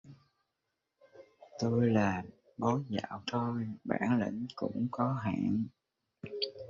tôi là bói dạo thôi, bản lĩnh cũng có hạn